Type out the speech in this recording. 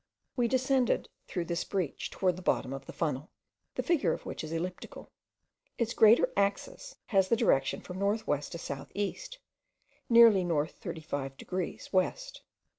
We descended through this breach toward the bottom of the funnel, the figure of which is elliptic. Its greater axis has a direction from north west to south east, nearly north 35 degrees west.